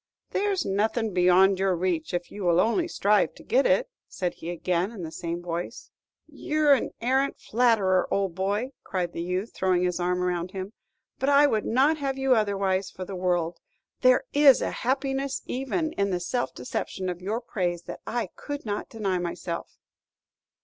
"There's nothing beyond your reach if you will only strive to get it," said he again, in the same voice. "You're an arrant flatterer, old boy," cried the youth, throwing his arm around him; "but I would not have you otherwise for the world. There is a happiness even in the self deception of your praise that I could not deny myself."